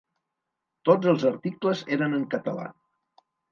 Tots els articles eren en català.